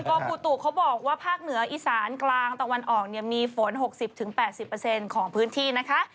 กรมอุตุเขาบอกว่าภาคเหนืออีสานกลางตะวันออกเนี่ยมีฝน๖๐๘๐ของพื้นที่นะคะ